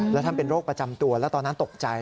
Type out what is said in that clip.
แล้วท่านเป็นโรคประจำตัวแล้วตอนนั้นตกใจ